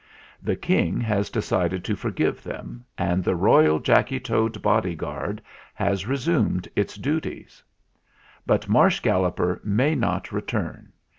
The King has decided to forgive them, and the royal Jacky Toad bodyguard has resumed its duties. But Marsh Galloper may not return.